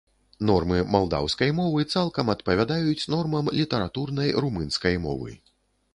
Нормы малдаўскай мовы цалкам адпавядаюць нормам літаратурнай румынскай мовы.